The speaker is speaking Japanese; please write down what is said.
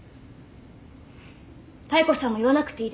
妙子さんも言わなくていいです。